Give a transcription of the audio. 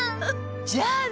じゃあね！